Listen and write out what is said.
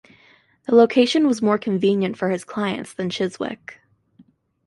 The location was more convenient for his clients than Chiswick.